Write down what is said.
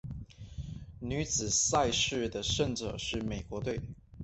女子赛事的胜者是美国队。